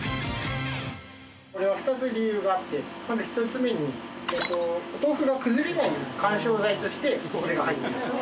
これは２つ理由があってまず１つ目にお豆腐が崩れないように緩衝材として水が入っています。